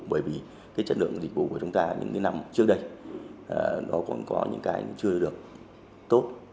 bởi vì chất lượng dịch vụ của chúng ta những năm trước đây nó còn có những cái chưa được tốt